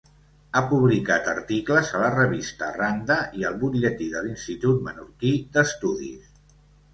Ha publicat articles a la revista Randa i al butlletí de l'Institut Menorquí d'Estudis.